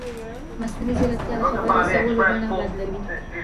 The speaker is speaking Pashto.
مصنوعي ځیرکتیا د خبر رسولو بڼه بدلوي.